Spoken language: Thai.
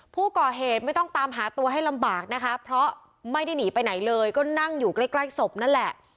ผู้ต้องหาไม่ต้องตามหาตัวให้ลำบากนะคะเพราะไม่ได้หนีไปไหนเลยก็นั่งอยู่ใกล้ใกล้ศพนั่นแหละ